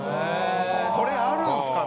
それあるんですかね。